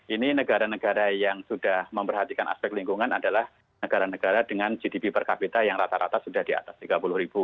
ini negara negara yang sudah memperhatikan aspek lingkungan adalah negara negara dengan gdp per kapita yang rata rata sudah di atas tiga puluh ribu